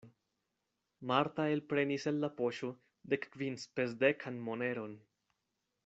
Marta elprenis el la poŝo dekkvinspesdekan moneron.